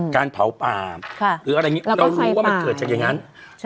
การเผาป่าหรืออะไรอย่างนี้เรารู้ว่ามันเกิดจากอย่างนั้น